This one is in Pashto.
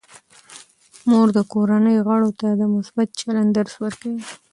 مور د کورنۍ غړو ته د مثبت چلند درس ورکوي.